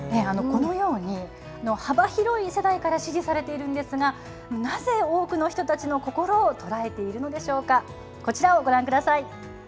このように、幅広い世代から支持されているんですが、なぜ、多くの人たちの心を捉えているのでしょうか。